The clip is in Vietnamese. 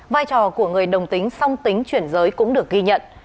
vai trò của người đồng tính song tính chuyển giới cũng được ghi nhận